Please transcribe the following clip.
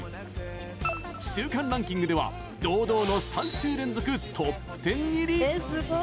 週間ランキングでは堂々の３週連続ＴＯＰ１０入り！